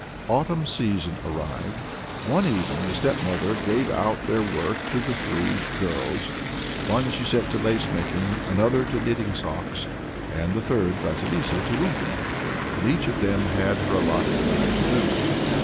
The autumn season arrived. One evening the stepmother gave out their work to the three girls; one she set to lace making, another to knitting socks, and the third, Vasilissa, to weaving; and each of them had her allotted amount to do.